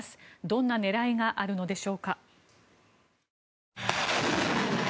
どんな狙いがあるのでしょうか。